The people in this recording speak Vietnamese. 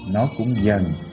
nó cũng dần